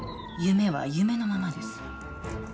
夢は夢のままです